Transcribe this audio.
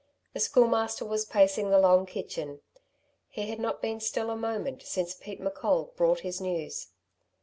The Schoolmaster was pacing the long kitchen. He had not been still a moment since Pete M'Coll brought his news.